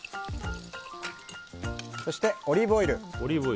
そして、オリーブオイル。